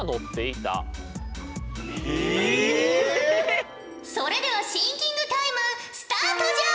それではシンキングタイムスタートじゃ！